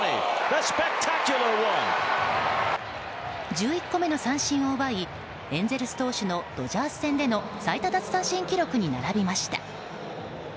１１個目の三振を奪いエンゼルス投手のドジャース戦での最多奪三振記録に並びました。